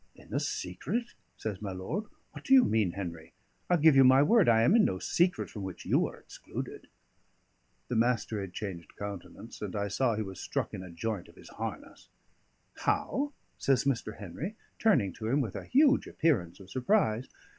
"In the secret?" says my lord. "What do you mean, Henry? I give you my word, I am in no secret from which you are excluded." The Master had changed countenance, and I saw he was struck in a joint of his harness. "How?" says Mr. Henry, turning to him with a huge appearance of surprise.